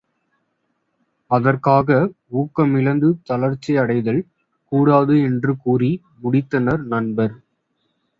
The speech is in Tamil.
அதற்காக ஊக்கமிழந்து தளர்ச்சி அடைதல் கூடாது என்று கூறி முடித்தனர் நண்பர்.